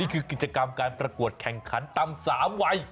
นี่คือกิจกรรมการปรากวดแข่งขันตามสามไหว